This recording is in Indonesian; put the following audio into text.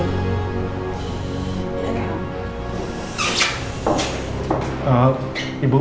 kalau gitu saya permisi dulu